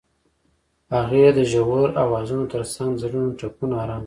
هغې د ژور اوازونو ترڅنګ د زړونو ټپونه آرام کړل.